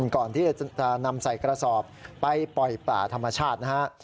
ก่อนที่จะนำใส่กระสอบไปปล่อยป่าธรรมชาตินะฮะ